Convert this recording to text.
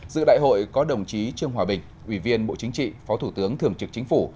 dự đại hội có đồng chí trương hòa bình ủy viên bộ chính trị phó thủ tướng thường trực chính phủ